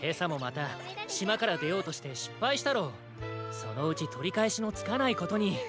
そのうちとりかえしのつかないことに。